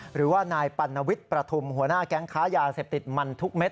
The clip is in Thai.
หรือว่านายปัณวิทย์ประทุมหัวหน้าแก๊งค้ายาเสพติดมันทุกเม็ด